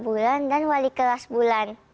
bulan dan wali kelas bulan